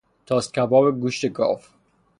تاس کباب گوشت گاو